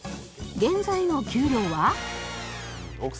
現在の給料は？